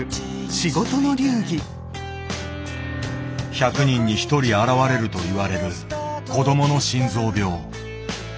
１００人に１人現れるといわれる子どもの心臓病。